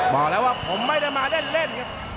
บอกแล้วว่าผมไม่ได้มาเล่นครับ